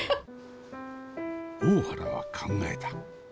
大原は考えた。